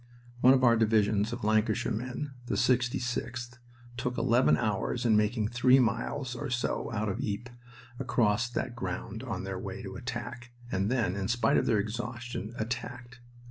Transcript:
One of our divisions of Lancashire men the 66th took eleven hours in making three miles or so out of Ypres across that ground on their way to attack, and then, in spite of their exhaustion, attacked.